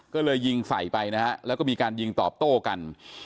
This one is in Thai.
ก็เลยยิงใส่ไปนะฮะแล้วก็มีการยิงตอบโต้กัน